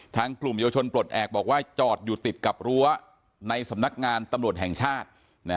กลุ่มเยาวชนปลดแอบบอกว่าจอดอยู่ติดกับรั้วในสำนักงานตำรวจแห่งชาติ